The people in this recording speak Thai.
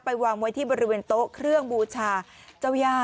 วางไว้ที่บริเวณโต๊ะเครื่องบูชาเจ้าย่า